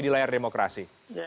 di layar demokrasi